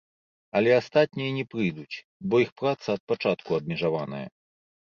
Але астатнія не прыйдуць, бо іх праца ад пачатку абмежаваная.